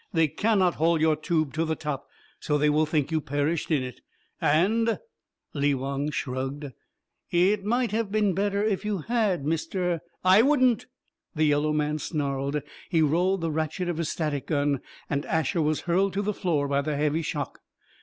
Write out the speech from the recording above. They cannot haul your tube to the top, so they will think you perished in it. And" Lee Wong shrugged "it might have been better if you had, Mr. " "I wouldn't!" the yellow man snarled. He rolled the ratchet of his static gun and Asher was hurled to the floor by the heavy shock.